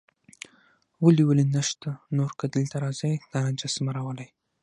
ولې ولې نشته، نور که دلته راځئ، دا نجس مه راولئ.